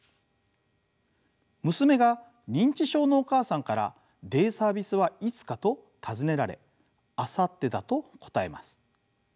娘が認知症のお母さんからデイサービスはいつかと尋ねられ明後日だと答えます。